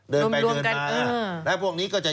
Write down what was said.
เดินไปเดินมาแล้วพวกนี้ก็จะ